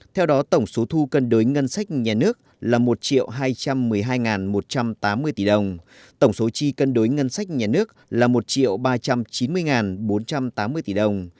theo đó tổng số thu cân đối ngân sách nhà nước là một hai trăm một mươi hai một trăm tám mươi tỷ đồng tổng số chi cân đối ngân sách nhà nước là một ba trăm chín mươi bốn trăm tám mươi tỷ đồng